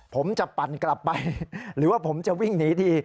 ผมจะปั่นกลับไปหรือว่าผมจะวิ่งหนีที